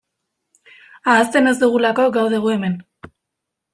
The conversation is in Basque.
Ahazten ez dugulako gaude gu hemen.